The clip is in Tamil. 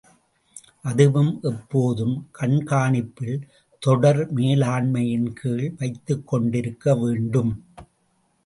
அதுவும் எப்போதும் கண்காணிப்பில் தொடர் மேலாண்மையின்கீழ் வைத்துக் கொண்டிருக்க வேண்டும்.